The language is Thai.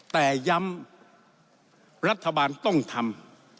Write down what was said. แต่ย้ำรัฐบาลต้องทำ